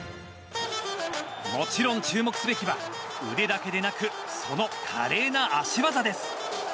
もちろん注目すべきは腕だけでなくその華麗な足技です。